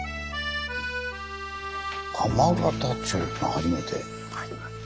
初めて。